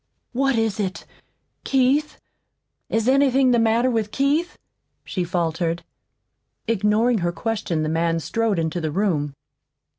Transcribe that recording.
"What is it? KEITH? Is anything the matter with Keith?" she faltered. Ignoring her question the man strode into the room.